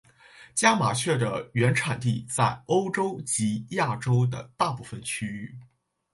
家麻雀的原产地在欧洲及亚洲的大部份区域。